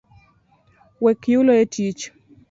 Wek yulo etich